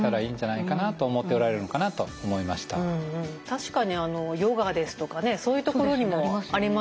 確かに「ヨガ」ですとかねそういうところにもありますもんね。